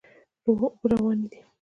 اوبه روانې دي.